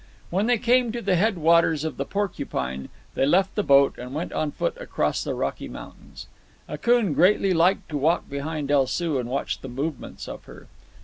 When they came to the head waters of the Porcupine, they left the boat and went on foot across the Rocky Mountains. Akoon greatly liked to walk behind El Soo and watch the movements of her.